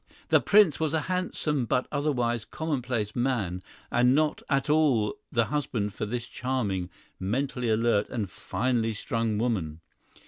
The prince was a handsome but otherwise commonplace man, and not at all the husband for this charming, mentally alert and finely strung woman.